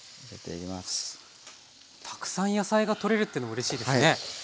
たくさん野菜が取れるっていうのもうれしいですね。